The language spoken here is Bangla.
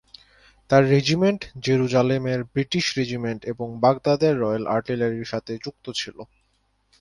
তার রেজিমেন্ট জেরুজালেমের ব্রিটিশ রেজিমেন্ট এবং বাগদাদের রয়েল আর্টিলারির সাথে যুক্ত ছিল।